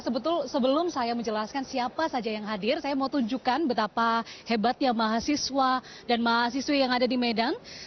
sebetulnya sebelum saya menjelaskan siapa saja yang hadir saya mau tunjukkan betapa hebatnya mahasiswa dan mahasiswi yang ada di medan